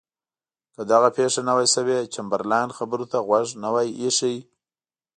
که دغه پېښه نه وای شوې چمبرلاین خبرو ته غوږ نه وای ایښی.